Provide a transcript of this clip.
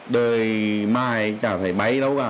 đời mai chả thấy bấy đâu cả